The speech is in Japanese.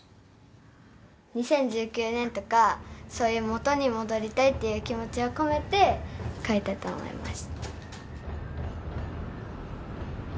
２０１９年とかそういう元に戻りたいっていう気持ちを込めて書いたと思います